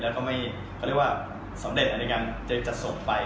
ก็เรียกว่าสำเร็จในการจัดส่งไป